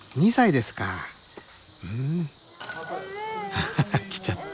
ハハハ来ちゃった。